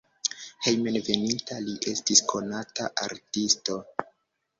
Hejmenveninta li estis konata artisto.